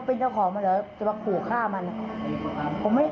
พี่น้องก็รักไม่ได้นะมุ่งหูแทนก็มี